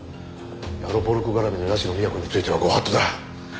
ヤロポロク絡みの社美彌子については御法度だ。